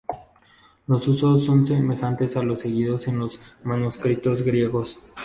Los usos son semejantes a los seguidos en los manuscritos griegos.